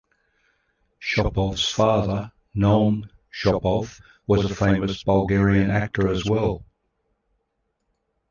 Shopov's father, Naum Shopov, was a famous Bulgarian actor as well.